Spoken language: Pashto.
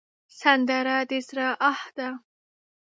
سندره د زړه آه ده